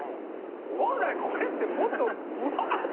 本来これってもっとぶわっと。